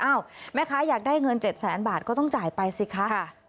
อ้าวแม่คะอยากได้เงิน๗๐๐๐๐๐บาทก็ต้องจ่ายไปสิค่ะ